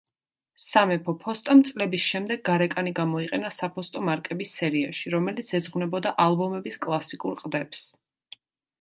სამეფო ფოსტამ წლების შემდეგ გარეკანი გამოიყენა საფოსტო მარკების სერიაში, რომელიც ეძღვნებოდა ალბომების კლასიკურ ყდებს.